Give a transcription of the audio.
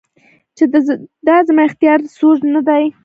چې دا زما اختياري سوچ نۀ دے